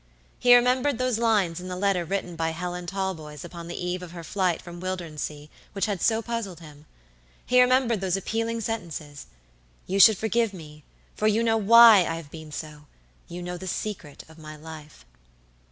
He remembered those lines in the letter written by Helen Talboys upon the eve of her flight from Wildernsea, which had so puzzled him. He remembered those appealing sentences"You should forgive me, for you know why I have been so. You know the secret of my life."